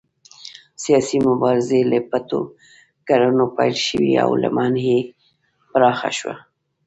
سیاسي مبارزې له پټو کړنو پیل شوې او لمن یې پراخه شوه.